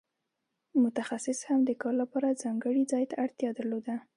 متخصص هم د کار لپاره ځانګړي ځای ته اړتیا درلوده.